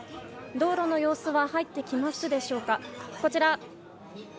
道路の様子は入ってきますでしょうか。